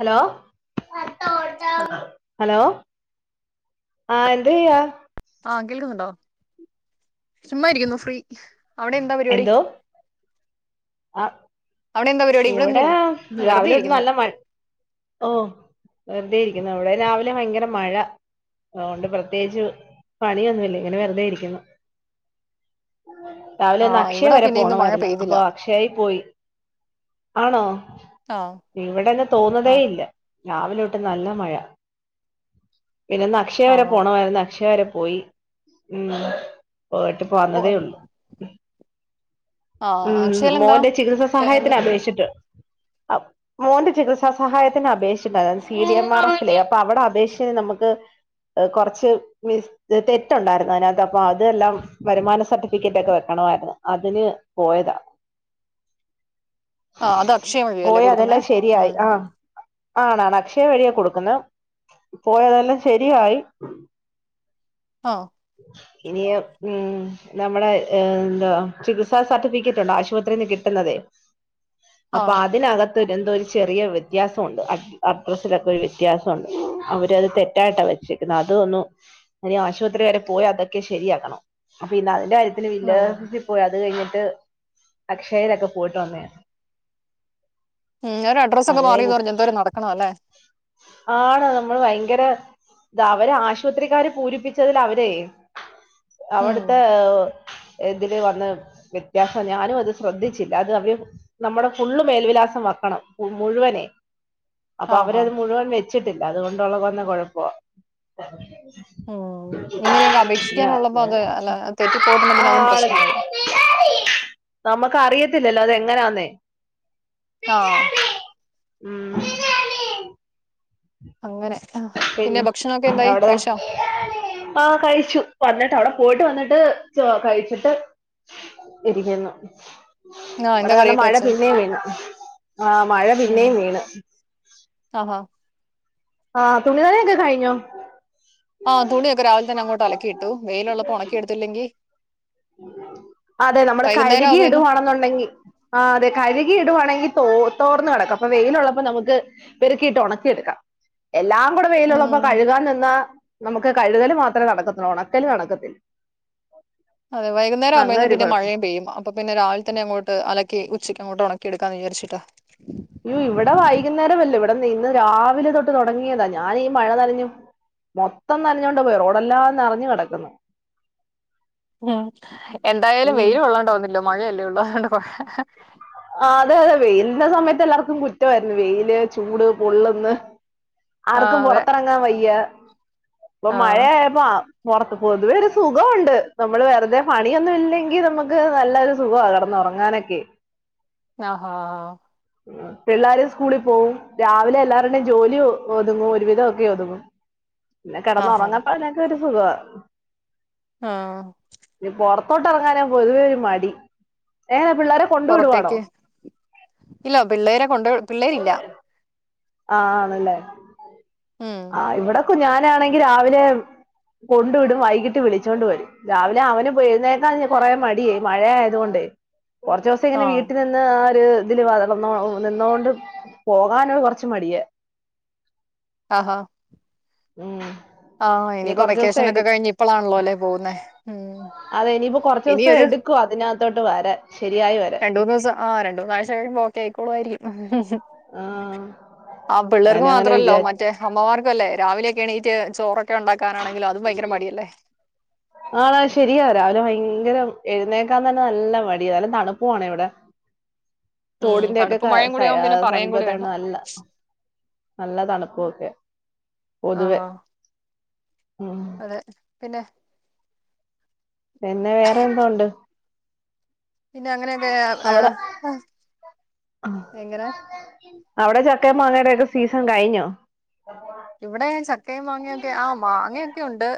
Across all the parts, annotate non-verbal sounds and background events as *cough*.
Hello hello ആഹ് എന്തയ്യാ ആഹ് കേൾക്കുന്നുണ്ടോ ചുമ്മായിരിക്കുന്നു ഫ്രീ അവിടെ എന്താ പരിപാടി ആഹ് അവിടെ എന്താ പരിപാടി ഇവിടെ ഒന്നുമില്ല വെറുതെ രാവിലെ തൊട്ട് ഇരിക്കുന്നു നല്ല മഴ ഓ വെറുതെ ഇരിക്കുന്നു അവിടെ രാവിലെ ഭയങ്കര മഴ അതുകൊണ്ട് പ്രത്യേകിച്ച് പണിയൊന്നു ഇല്ല ഇങ്ങെനെ വെറ്തെ ഇരിയ്ക്കുന്നു രാവിലെ ഒന്ന് ആഹ് അക്ഷയ ഇവിടെ വെരെ പിന്നെ ഇന്ന് മഴ പോണമായ്ര്ന്ന് പെയ്തില്ല അപ്പൊ അക്ഷയി പോയി ആണോ ആഹ് ഇവടെന്ന് തോന്നതേ ആഹ് ഇല്ലാ രാവിലെ തൊട്ട് നല്ല മഴ പിന്നെ ന അക്ഷയ വെരെ ആണോ പോണമായിര്ന്ന് അക്ഷയ വെരെ പോയി ഉം പോയിട്ട് പ്പ ഓ വന്നതേ ഒള്ളൂ ആഹ് ഊം അക്ഷയൽ എന്താ മോന്റെ ചികിത്സാ ത- സഹായ എന്ത് പേഷ്ച്ട്ട് അഹ് മോന്റെ ചികിത്സാ സഹായത്തിനപേഷ്ച്ച്ണ്ടാ അ സീഡിയംമാർക്ക്ലേ അപ്പ അവടെ അപേക്ഷേന് നമ്ക്ക് കൊറച്ച് മിസ് തെറ്റുണ്ടായ്ര്ന്ന് അയ്നകത്ത് അപ്പം അത് എല്ലാം വരുമാന സർട്ടിഫിക്കെറ്റാെക്കെ വെക്കണമായ്ര്ന്ന് അതിന് പോയെതാ ആഹ് അത് അക്ഷയ വഴിയല്ലേ പോയി കൊടുക്കുന്നേ അതെല്ലാം ശെരിയായി ഉം ആഹ് ആണ് ആണ് അക്ഷയ വഴിയാ കൊട്ക്കുന്നെത് പോയ അതെല്ലാം ശെരിയായി *inaudible* ആഹ് ഉ ഇനിയാ ഊം നമ്മളെ എന്താ ചികിത്സാ സർട്ടിഫിക്കെറ്റുണ്ട് ആശുപത്രീന്ന് കിട്ട്ന്നതേ അപ്പ ആഹ് അതിനക ത്ത് എന്തോ ഒര് ചെറിയ വെത്യാസമുണ്ട് അ അഡ്രസ്സിലൊക്കെ ഒരു വെത്യാസാെണ്ട് അവരത് തെറ്റായ്ട്ടാ വെച്ച് അത് ഒന്നു ഇനി ആശുപത്രി വെരെ പോയി അതൊക്കെ ശെരിയാക്കണം അപ്പൊ പിന്നെ അതിന്റെ കാര്യ ത്തില് ഉം വില്ലേജോഫിസി പോയി അത് കയ്ഞ്ഞിട്ട് അക്ഷയേലൊക്കെ പോയിട്ട് വന്നെയാ ഉം ഒരഡ്രസ്സൊക്കെ അത് കഴിഞ്ഞ് മാറീന്ന് പർഞ്ഞ് എന്തോരം നടക്കണം അല്ലേ ആണ് നമ്മൾ ഭയ്ങ്കെരെ താ അവര് ആശ്പത്രിക്കാര് പൂരിപ്പിച്ചതിലവരേ ഉം അവിട്ത്തെ ഇതില് വന്ന് വെത്യാസാ ഞാനും അത് ശ്രദ്ധിച്ച് ല്ല അത് അവര് നമ്മടെ ഫുള്ള് മേൽവിലാസം വെക്കണം മുഴുവനെ അപ്പൊ ആഹാ അവരത് മുഴുവൻ വെച്ചിട്ടില്ല അതുകൊണ്ടുള്ള കൊന്ന കാെഴപ്പാെവാ ഉം ഇങ്ങനെയൊക്കെ അപേക്ഷിക്കാനുള്ളപ്പോ അത് *unintelligible* അല്ല തെറ്റിപ്പോയിട്ടുണ്ടെ പിന്നെ അതും ആണ് പ്രശ്നമായി നമ്ക്കറിയത്തില്ലല്ലോ അതെങ്ങെനാന്നേ ആഹ് ഉം അങ്ങെനെ ആഹ് പിന്നെ ഭക്ഷണൊക്കെ എന്തായി കഴിച്ചോ ആഹ് കയിച്ചു വന്നിട്ട് അവ്ടെ പോയ്ട്ട് വന്നിട്ട് ചോ കഴിച്ചിട്ട് ഇരിയ്ക്കുന്നു ആഹ് ഇവെടെ എന്താ നല്ല കറിയൊക്കെ മഴ വെച്ചേ പിന്നേം വീണ് ആഹ് മഴ പിന്നേം വീണ് ആഹ് ഹാ ആഹ് തുണി നനയൊക്കെ കഴിഞ്ഞോ ആഹ് തുണിയൊക്കെ രാവിൽ തന്നെ അങ്ങോട്ട് അലക്കി ഇട്ടു വെയിലുള്ളപ്പാെ ഒണക്കി എട്ത്തില്ലെങ്കി അതെ നമ്മള് വൈകുന്നേരം കഴ്കി ആകുമ്പേന്ന് ഇട്‌വാണാെന്നുണ്ടെങ്കി ആഹ് അതെ കഴ്കി ഇട്‌വാണെങ്കി തോ തോർന്ന് കെടക്കും അപ്പൊ വെയ്ലുള്ളപ്പ നമുക്ക് പെറ്ക്കിയിട്ട് ഒണെക്കിയെട്ക്കാ എല്ലാം കൂടെ വെയ്ലുള്ളപ്പോ ഉം കഴ്കാൻ നിന്നാ നമ്ക്ക് കഴ്കല് മാത്രേ നടക്കത്താെള്ളൂ ഒണക്കല് നടക്കത്തിൽ അതെ അങ്ങനെ വൈക്ന്നരാവ്മ്പേന്നും ഒരു പിന്നെ കുഴപ്പം മഴെയും പെയ്യും അ പ്പൊ പിന്നെ രാവിൽ തന്നെ അങ്ങോട്ട് അലക്കി ഉച്ചയ്ക്കങ്ങോട്ട് ഒണക്കി എട്ക്കാന്ന് വിചാര്ച്ചിട്ടാ യ്യാേ ഇവെടെ വൈകുന്നേരമല്ല ഇവെടെന്ന്‌ ഇന്ന് രാവിലെ തൊട്ട് തൊടെങ്ങിയതാ ഞാനീ മഴ നനഞ്ഞും മൊത്തം നനഞ്ഞോണ്ടാ പോയെ റോഡെല്ലാം നെറെഞ്ഞ് കെടക്ക്ന്ന് ഉം എന്തായാലും വെയില് കൊള്ളാണ്ടോന്നില്ലോ മഴയല്ലേ ഉള്ളൂ അതൊണ്ട പോ ആഹ് അതെ അതെ വെയ്ൽന്റെ സമയത്തെല്ലാർക്കും കുറ്റവായിര്ന്നു വെയില് ചൂട് പൊള്ള്ന്ന് ആർക്കും ആഹ് അതെ പൊറത്തറങ്ങാവയ്യ ഉം ആഹ് മഴേയായപ്പോ പൊറത്ത് പോതുവേ ഒരു സുഖവുണ്ട് നമ്മള് വെറ്തെ പണിയൊന്നു ഇല്ലെങ്കി നമ്ക്ക് നല്ലൊരു സുഖ്വാ കടന്നോറ ഞാനൊക്കെ ഞാഹാ പിള്ളാര് സ്കൂളി പോവും രാവിലെ എല്ലാരുടെം ജോലി ഒഹ് ഒത്ങ്ങും ഒരുവിധോക്കെ ഒതുങ്ങും പിന്നെ ആഹാ കെടന്നൊറങ്ങട്ട എല്ലാര്ക്കെര് സുഖ്വാ ആഹ് ഇനി പൊറത്തോട്ടറങ്ങാനാ പൊതുവെ ഒരു മടി ഏന പിള്ളാ പൊറത്തേക്ക് ഇല്ല പിള്ളേരെ കൊണ്ടോയോ പിള്ളേരില്ല ആഹ് ആണല്ലേ ഉം ആഹ് ഇവിടെക്കു ഞാനാണെങ്കി രാവിലെ കൊണ്ടു വിടും വൈകീട്ട് വിളിച്ചോണ്ട് വരും രാവിലെ അവന്പോ എഴ്ന്നേക്കാൻഞ് കൊറെ മടിയേ മഴേയായതോണ്ടെ കൊർച്ചൂസം ഇങ്ങനെ ആഹ് വീട്ടിൽ നിന്ന് ആഹ് ഒര് തില് വളരന്നോ നിന്നോണ്ട് പോകാനോ കൊർച്ച് മടിയാ ആഹാ ഉം ആഹ് ഇനി ഇനിയിപ്പോ കൊറച്ച് ദിവസം എടു വെക്കേഷനൊക്കെ കഴിഞ്ഞ് ഇപ്പളാൺല്ലോ അല്ലേ പോകുന്നേ ഉം അതെ ഇനിയിപ്പോ കൊറച്ചൂസം ഇനിയൊരു എട്ക്കും അതിനകത്തോട്ട് വരാൻ ശരിയായി വര രണ്ടൂന്നൂസം ആഹ് രണ്ട് മൂന്നാഴ്ച കഴിയുമ്പോ ഓക്കെ ആയിക്കോളോയിരിക്യും ആഹ് ആഹ് പിള്ളേർക്ക് ഞാനും അങ്ങനെ മാത്രല്ലോ വിചാരി മ റ്റെ അമ്മമാർകൊല്ലേ രാവിലെയൊക്കെ എണീറ്റ്ചോറൊക്കെ ഉണ്ടാക്കാനാണെങ്കിലും അതും ഭയങ്കരെ മടിയല്ലേ ആഹ് ശരിയാ രാവില ഭയങ്കര എഴുന്നേക്കാൻ തന്നെ നല്ല മടിയാ നല്ല തണുപ്പു ആണെ ഇവിടെ ഉം തോടിന്റെയൊക്കെ ക തണുപ്പും മഴയും കൂടി സൈ ആവുമ്പോ പിന്നെ പറയും കൂടി വേണ്ട സമീപത്തായോണ്ട് നല്ല നല്ല തണുപ്പു ഒക്കെ ആ പൊതുവെ ഉം അതെ പിന്നെ പിന്നെ വേറെ എന്തോ ഉണ്ട് പിന്നെ അങ്ങനെയൊക്കെ ആ, അവിടെ ആ, ആഹ് എങ്ങനെ അവിടെ ചക്കേം മാങ്ങേടെക്കെ സീസൺ കഴിഞ്ഞോ ഇവിടെ ചക്കേം മാങ്ങെയൊക്കെ ആഹ് മാങ്ങയൊക്കെ ഉണ്ട്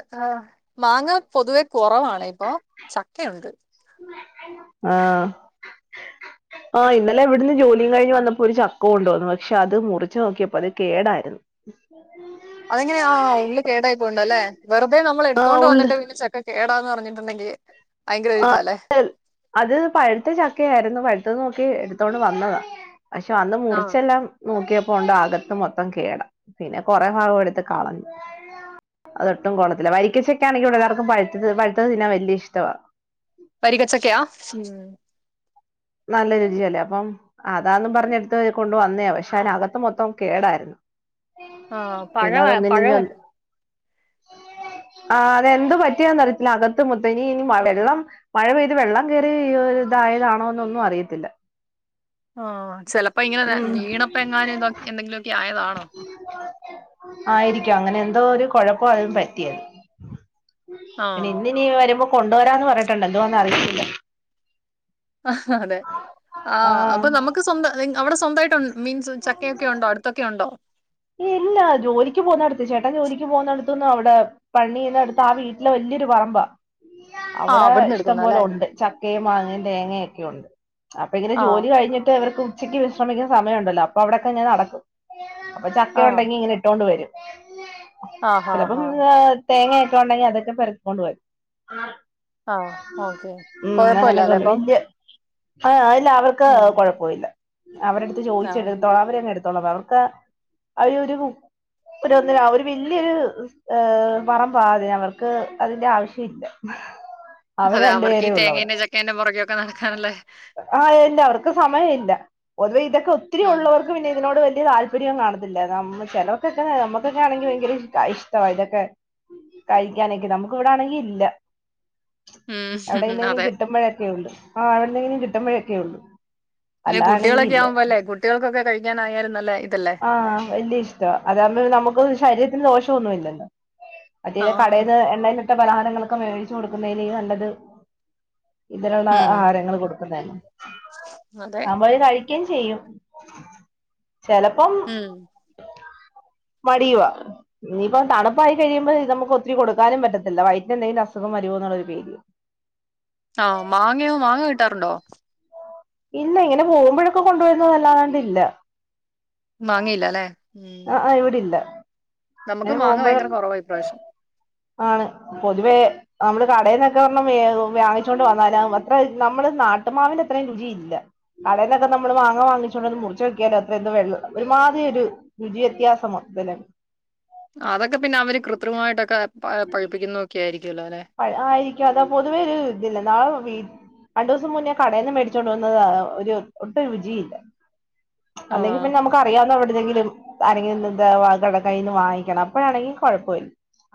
മാങ്ങ പൊതുവെ കുറവാണെ ഇപ്പൊ ചക്കയുണ്ട് ആഹ് ആഹ് ഇന്നലെ ഇവിടുന്ന് ജോലിം കഴിഞ്ഞ് വന്നപ്പോ ഒരു ചക്ക കൊണ്ടു വന്നു പക്ഷെ അത് മുറിച്ച് നോക്കിയപ്പോ അത് കേടാര്ന്നു *unintelligible* അതങ്ങനെയാ ഉള്ള് കേടായി പോയിണ്ടല്ലേ വെറ്തെ ആഹ് നമ്മളെടുത്തോണ്ട് ഉള്ള് വന്നിട്ട് പിന്നെ ചക്ക കേടാന്നറിഞ്ഞ്ട്ട്ണ്ടെങ്കി ഭയങ്കരൊരുതാല്ലേ എൽ അത് പഴ്ത്ത ചക്കയായിരുന്നു പഴ്ത്തത് നോക്കി എടുത്തോണ്ട് വന്നതാ പഷെ വന്ന് ആ മുറിച്ചെല്ലാം നോക്കിയപ്പോ ഒണ്ട് അകത്ത് മൊത്തം കേടാ പിന്നെ കൊറെ ഭാഗം എടുത്ത് കളഞ്ഞു അദട്ടും കൊള്ളത്തില്ല വരിക്കച്ചക്ക്യാണെങ്കി ഇവിടെല്ലാർക്കും പഴ്ത്തത് പഴ്ത്തത് തിന്നാൻവല്യ ഇഷ്ടവാ വരിക്ക ചക്കയാ ഉം നല്ല രുചിയല്ലേ അപ്പം അതാന്നും പറഞ്ഞെട്ത്ത് കൊണ്ട് വന്നയാ പശ്ശെ അതിനകത്ത് മൊത്തം കേടാര്ന്നു ആ പഴ പഴം പിന്നാതൊന്നിനുഞ്യൊത് ആഹ് അതെന്ത് പറ്റിയാന്ന് അറിയത്തില്ല അകത്ത് മൊത്തം ഇനി ഇനി മവെള്ളം മഴ പെയ്ത് വെള്ളം കേറി യൊര് ഇതായതാണോ ന്നൊന്നും അറിയത്തില്ല. ആഹ് ചെലപ്പോ ഇങ്ങനെ ഉം വീണപ്പ എങ്ങാനും ഇതൊ എന്തെങ്കിലൊക്കെ ആയതാണോ? ആയിരിക്കാം അങ്ങനെ എന്തോ ഒരു കൊഴപ്പം അതും പറ്റിയത് പിന്നെ ആഹ് ഇന്നി നി വരുമ്പോ കൊണ്ടുവരാന്ന് പറഞ്ഞിട്ടുണ്ട് എന്തുവാന്ന് അറിയത്തില്ല. ആഹ് അതെ ആഹ് അപ്പൊ നമുക്ക് സ്വന്തം അവിടെ സ്വന്തായിട്ടു മീൻസ് ചക്കയൊക്കെ യുണ്ടോ അടുത്തൊക്കെ യുണ്ടോ ഇല്ല ജോലിക്ക് പോകുന്നെടത്ത് ചേട്ടൻ ജോലിക്ക് പോകുന്നെടത്തൊന്നും അവിടെ പണിയ്ന്നട്ത്ത് ആ വീട്ടിലെ വലിയൊരു പറമ്പാ ആഹ് അവിടെ അവിടുന്ന് ഇഷ്ടം എടുക്കുന്ന പോലെ അല്ലേ ഉണ്ട് ച ക്കയും മാങ്ങയും തേങ്ങയൊക്കെ ഉണ്ട് അപ്പൊ ഇങ്ങനെ ആഹ് ജോലി കഴിഞ്ഞിട്ട് ഇവർക്ക് ഉച്ചയ്ക്ക് വിശ്രമിക്കുന്ന സമയ ഉണ്ടല്ലോ അപ്പൊ അവിടൊക്കെ ഇങ്ങനെ നടക്കും അപ്പം ചക്ക ആഹ് ഉണ്ടെങ്കി ഇങ്ങനെ ഇട്ടോണ്ട് വരും. ആഹ് ആഹ് ചെലപ്പം ആഹ് ഏഹ്തേങ്ങായൊക്കെ ഒണ്ടെങ്കി അതൊക്കെ പെറ്ക്കിക്കോണ്ട് വരും. ആഹ് ഓക്കെ ഉം കൊഴപ്പല്ല അങ്ങനൊക്കെ അല്ലേ കൊണ്ടരും അപ്പം വല്യ ആഹ് ഇല്ല അവർക്ക് ഉം കുഴപ്പവില്ല അവരെടുത്ത് ആഹ് ചോദിച്ചെടുത്തോളാൻ അവരങ്ങെടു ത്തോളാൻ പറയും അവർക്ക് അവര് ഒരു ഒന്നര ഒരു വല്യൊരു ഏഹ് പറമ്പാ അത് അവർക്ക് അതിന്റെ ആവശ്യ ഇല്ല. അതെ അവർക്ക് ഈ തേങ്ങേന്റേം ചക്കേന്റേം പുറകെ ഒക്കെ നടക്കാനല്ലേ. ആഹ് ഇല്ല അവർക്ക് സമയ ഇല്ല പൊതുവെ ഇതൊക്കെ ഒത്തിരി ഉം ഉള്ളവർ ക്കൊക്കെ പിന്നെ ഇതിനോട് വലിയ താല്പര്യം കാണത്തില്ല നമ് ചേലോർക്കക്കെ നമ്മക്കൊക്കെ ആണെങ്കി ഭയങ്കര ഇഷ്ട ഇഷ്ടവാ ഇതൊക്കെ കഴിക്കാനൊക്കെ, നമുക്ക് ഇവിട ആണെങ്കി ഇല്ല. ഉം എവിടെന്നേലും അതെ കിട്ടുമ്പഴക്കെ ഉള്ളു ആഹ് എവിടന്നെങ്കിലും കിട്ടുമ്പഴക്കെ ഉള്ളു അതെ അല്ലാണെങ്കി കുട്ടികളൊക്കെ ഇല്ല ആവുമ്പോ അല്ലേ കുട്ടികൾക്കൊക്കെ കഴിക്കാനായാലും നല്ല ഇതല്ലേ. ആഹ് വല്യ ഇഷ്ടവാ. അതാകുമ്പോ നമുക്കൊന്നും ശരീരത്തിന് ദോഷവൊന്നും ഇല്ലല്ലോ. മറ്റേത് ആഹ് കടേന്ന് എണ്ണയിലിട്ട പലഹാരങ്ങളൊക്കെ മേടിച്ചു കൊടുക്കുന്നയ്തിലും നല്ലത് ഇതിലൊള്ള ഉം ആഹാരങ്ങൾ കൊടുക്കുന്നെ അല്ലെ. അതെ നമ്മൾ കഴി ക്കിം ചെയ്യും ചെല ഉം മടിയുവാ. ഇനിയിപ്പം തണുപ്പായി കഴിയുമ്പോ ഇത് നമുക്ക് ഒത്തിരി കൊടുക്കാനും പറ്റത്തില്ല വയറ്റിന് എന്തങ്കിലും അസുഖ വരുമോ എന്നുള്ളൊരു പേടിയാ. ആഹ് മാങ്ങയോ, മാങ്ങ കിട്ടാറുണ്ടോ? ഇല്ല ഇങ്ങനെ പോകുമ്പഴൊക്കെ കൊണ്ടു വരുന്നതല്ലാണ്ട് ഇല്ല. മാങ്ങയില്ല അല്ലെ ഉം അഹ് ആഹ് ഇവിടില്ല നമുക്ക് അങ്ങനെ മാങ്ങ ഭയങ്കര പോകുമ്പഴൊക്കെ കുറവാ ഇപ്രാവശ്യം ആണ് പൊതുവേ നമ്മള് കടേന്നൊക്കെ ഒരെണ്ണം വേ വ്യാങ്ങിച്ചോണ്ട് വന്നാല് അത്രത് നമ്മള് നാട്ടുമാവിന്റ അത്രയും രുചി ഇല്ല. കടെന്നൊക്കെ നമ്മള് മാങ്ങ വാങ്ങിച്ചോണ്ടന്ന് മുറിച്ചോക്കിയാലോ അത്ര എന്തോ ത്ര വെള്ള ഒരുമാതിരി ഒരു രുചി വ്യത്യാസം മൊത്തത് ല് അതൊക്കെ പിന്നെ അവര് കൃത്രിമമായിട്ടൊക്കെ പ പഴുപ്പിക്കുന്നതൊക്കെ ആയിരിക്ക്യോല്ലോ ല്ലെ. പഴ് ആയിരിക്കാം അതാ പൊതുവേ ഒരു ഇതില്ല നാവ് വീ രണ്ടു ദിവസം മുന്നേ കടേന്ന് മേടിച്ചൊണ്ട് വന്നത് ഒരു ഒട്ടും രുചി ഇല്ല. അല്ലെങ്കി ആഹ് പിന്നെ നമു ക്കറിയാവുന്ന എവിട്ന്നെങ്കിലും ആരെങ്കിലും ന്ന് ദ വാകടെ കൈയിന്ന് വാങ്ങിക്കണം അപ്പഴാണെങ്കി കുഴപ്പവി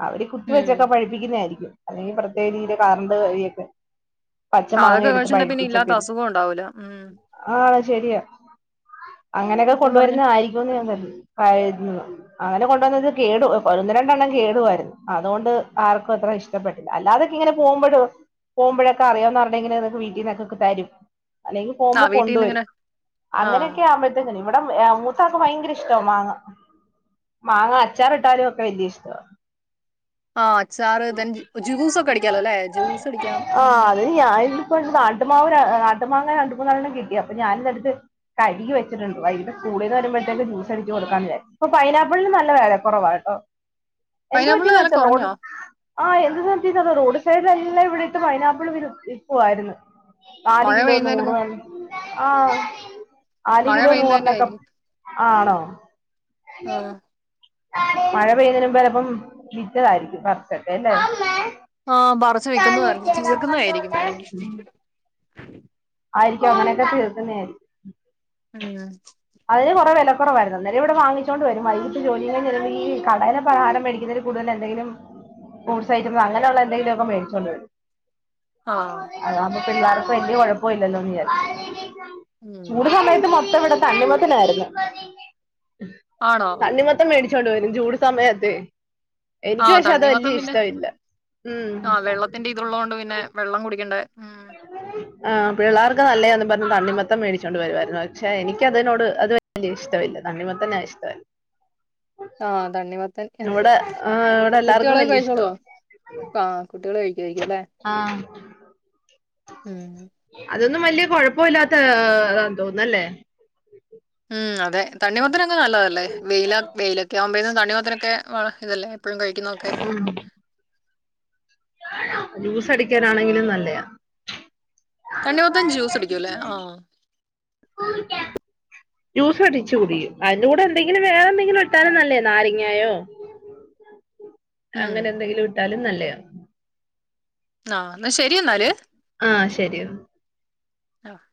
അവര് ഈ കുത്തി ഉം വെച്ചൊക്കെ പഴുപ്പിക്കുന്നെയാരിക്കും. അല്ലെങ്കി പ്രത്യേക രീതിയില് കറണ്ട് വഴിയൊക്കെ. പച്ച മാങ്ങ അതൊക്കെ എടുത്ത് കഴിച്ചിട്ടുണ്ടെ പിന്നെ പഴ്പ്പിച്ചൊക്കെ ഇല്ലാത്ത ഇരിക്കും. അസുഖം ഉണ്ടാവൂല ഉം ആണ് ശരിയാ അങ്ങനെയൊക്കെ സത്യം പറഞ്ഞ കൊണ്ടുവരുന്നതായിരിക്കുംന്ന് ഞാൻ പ്രതി കരുതുന്നു. അങ്ങനെ കൊണ്ട് വന്നത് കേടു ഒന്ന് രണ്ടെണ്ണം കേടുവായിരുന്നു അതുകൊണ്ട് ആർക്കും അത്ര ഇഷ് ഇഷ്ടപ്പെട്ടില്ല അല്ലാതെക്കിങ്ങനെ പോവുംമ്പഴ് പോകുമ്പഴക്കെ അറിയാന്ന ആരുടെങ്കിലും വീട്ടിൽ ന്നക്കെ തരും അല്ലങ്കി ആ പോകുമ്പോ കൊണ്ട് വീട്ടീന്ന് വരും ഇങ്ങനെ ആഹ് അങ്ങനെയൊക്കെ ആവുമ്പഴ് ഇവിടെ മൂത്താക്ക് ഭയങ്കര ഇഷ്ട മാങ്ങ മാങ്ങ അച്ചാറിട്ടാലൊക്കെ വല്ല്യ ഇഷ്ടവാ ആഹ് അച്ചാറ് ത ജ്യൂസ് ഒക്കെ അടിക്കാല്ലോ അല്ലേ ജ്യൂസ് അടിക്കാം ഉം ഞാനിപ്പ നാട്ടുമാവ് നാട്ട്മാങ്ങെ രണ്ട് മൂന്നാലെണ്ണം കിട്ടി അപ്പൊ ഞാനിന്നെടുത്ത് കഴുകി വെച്ചിട്ടുണ്ട് വൈകിട്ട് സ്കൂളീന്ന് വരുമ്പഴ്ത്തക്ക് ജൂസടിച്ച് കൊടുക്കാന്ന് വിചാരിച് ഇപ്പോ പൈനാപ്പിളിന് നല്ല വെലക്കൊറവാ കേട്ടോ എന്ത് പൈനാപ്പിളിന് പറ്റിയതാ വില അവിടത്തെ റോഡ് കുറഞ്ഞോ ആഹ് എന്ത് *unintelligible* റോഡ് സൈഡിലല്ലാം ഇവിടെ ഇട്ട് പൈനാപ്പിൾ വി വിൽക്കുവാരുന്നു നാല് മഴ കിലോ പെയ്യുന്നതിന് മു നൂറ് ആഹ് നാല് മഴ കിലോ പെയ്യുന്നതിന്റെ നൂറിനൊക്കെ ആയിരിക്കും ആണോ ആഹ് മഴ പെയ്യുന്നേന് മുമ്പ് ചെലപ്പം വിറ്റതായിരിക്കും പർച്ചൊക്കെല്ലേ ആഹ് പറച്ച് വിൽക്കുപറഞ്ഞു തീർക്കുന്നതായിരിക്കും വേണെങ്കി ഉം ആയിരിക്കും അങ്ങനെയൊക്കെ തീർക്കുന്നആയിരിക്കും ഉം അതിന് കോറെ വെല കുറവായിരുന്നു അന്നരം ഇവിടെ വാങ്ങിച്ചൊണ്ട് വരും വൈകട്ട് ജോലികയിഞ്ഞു വരുമ്പോ ഈകടേലെ പലഹാരം വെടിക്കുന്നതിന് കൂടുതൽ എന്തെങ്കിലും ഫ്രൂട്സ് ഐറ്റം അങ്ങനെള്ള എന്തെങ്കിലുക്കെ മേടിച്ചൊണ്ട് വരും ആഹ് അതാകുമ്പോ പിള്ളേർക് വലിയ കുഴപ്പല്ലല്ലോന്ന് വിചാരിച്ച് ഉം ചൂട് സമയത്ത് മൊത്തം ഇവടെ തണ്ണിമത്തനായിരുന്നു ആണോ തണ്ണിമത്തം മേടിച്ചോണ്ട് വരും ജൂട് സമയത്ത് എനിക്ക് ആഹ് പക്ഷെ അത് വല്യേ തണ്ണിമത്തൻ ഇഷ്ടമില്ല ഉം ന്റെ ഇതുള്ളത് കൊണ്ട് പിന്നെ വെള്ളം കുടിക്കേണ്ടേ ഉം ആഹ് പിള്ളാർക്ക് നല്ലതും പറഞ് തണ്ണിമത്തം മേടിച്ചുകൊണ്ട് വരുമായിരുന്നു പക്ഷെ എനിക്കതിനോട് അത് വെല്യേ ഇഷ്ടമല്ല തണ്ണി മത്തന്ന ഇഷ്ടല ആഹ് തണ്ണിമത്തൻ ഇവിടെ എല്ലാവർക്കും കുട്ടികളൊക്കെ വലിയ കഴിച്ചോളോ ഇഷ്ടമാണ് ആഹ് കുട്ടികൾ കഴിക്കയിരിക്ക അല്ലേ ആഹ് ഉം അതൊന്നും വല്യേ കോഴപ്പ ഇല്ലാത്താ തോന്നുന്നു അല്ലേ ഉംഅതെ തണിമത്തനങ് നല്ലതല്ലേ വെയില വെയിലൊക്കെ ആവുമ്പോ തണ്ണിമത്തനോക്കെ വ ഇതല്ലെ എപ്പോഴും കഴിക് ഉം ജൂസടിക്കാനാണെങ്കിലും നല്ലയാ തണ്ണിമത്തം ജ്യൂസ് അടിക്കുല്ലേ ആഹ് ജ്യൂസ് അടിച്ച് കുടിയും അതിന്റെ കൂടെ എന്തെങ്കിലും വേറെ എന്തെങ്കിലും എട്ടാലും ഉം നല്ലയാ നാരങ്ങായോ അങ്ങനെ എന്തെങ്കിലും ഇട്ടാലും നല്ലയാ ആഹ് എന്നാ ശരി എന്നാല് ആഹ് ശരി എന്ന ആഹ്